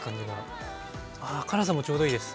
あ辛さもちょうどいいです。